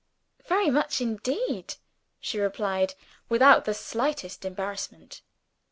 "Very much indeed," she replied, without the slightest embarrassment.